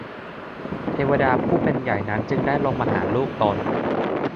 เทวดาผู้เป็นใหญ่นั้นจึงได้ลงมาหาลูกตน